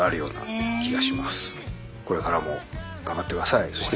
これからも頑張ってくださいって！